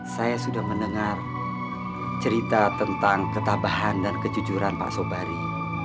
saya sudah mendengar cerita tentang ketabahan dan kejujuran pak sobari